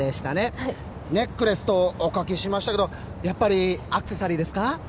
はいネックレスとお書きしましたけどやっぱりアクセサリーですか？